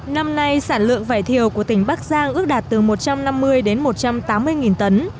năm nay sản lượng vải thiều của tỉnh bắc giang ước đạt từ một trăm năm mươi đến một trăm tám mươi tấn